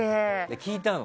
聞いたの。